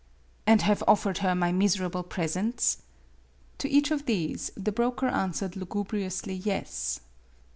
" And have offered her my miserable presents ?" To each of these the broker answered lu gubriously yes.